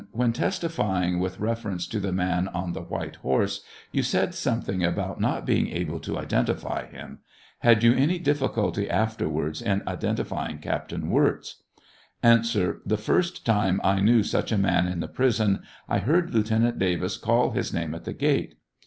When testifying with reference to the man on the white horse, you said something about not being able to identify him ; had you any difficulty afterwards in identifying Cap tain Wirz 1 A. The first time I knew such a man in the prison I heard Lieutenant Davis call his name at the gate.